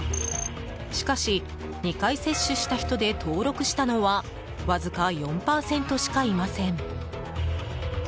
しかし、２回接種した人で登録したのはわずか４％しかいません。